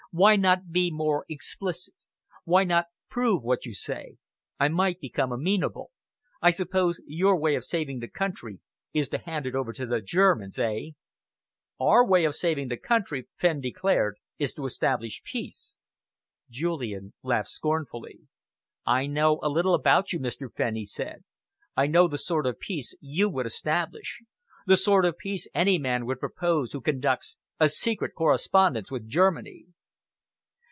Why not be more explicit? Why not prove what you say? I might become amenable. I suppose your way of saving the country is to hand it over to the Germans, eh?" "Our way of saving the country," Fenn declared, "is to establish peace." Julian laughed scornfully. "I know a little about you, Mr. Fenn," he said. "I know the sort of peace you would establish, the sort of peace any man would propose who conducts a secret correspondence with Germany."